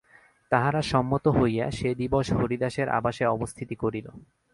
তাহারা সম্মত হইয়া সে দিবস হরিদাসের আবাসে অবস্থিতি করিল।